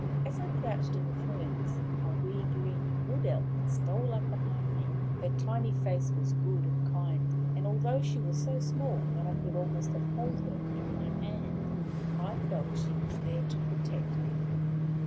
As I crouched in the ferns, a wee green Wood Elf stole up behind me; her tiny face was good and kind, and although she was so small that I could almost have held her in my hand, I felt she was there to protect me.